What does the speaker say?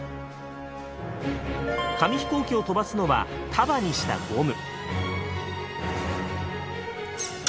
紙飛行機を飛ばすのは束にしたゴム。